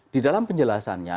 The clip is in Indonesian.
di dalam penjelasannya